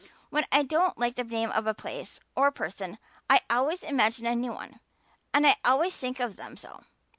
When I don't like the name of a place or a person I always imagine a new one and always think of them so.